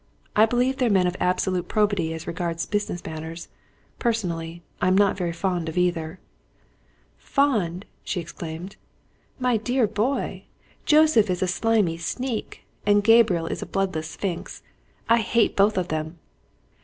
I believe they're men of absolute probity as regards business matters personally, I'm not very fond of either." "Fond!" she exclaimed. "My dear boy! Joseph is a slimy sneak, and Gabriel is a bloodless sphinx I hate both of them!"